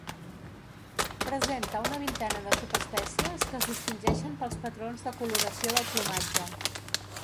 Presenta una vintena de subespècies, que es distingeixen pels patrons de coloració del plomatge.